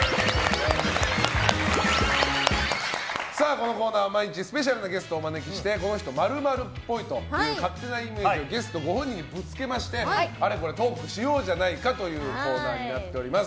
このコーナーは毎日スペシャルなゲストをお招きしてこの人○○っぽいと勝手なイメージをゲストご本人にぶつけましてあれこれトークしようじゃないかというコーナーになっています。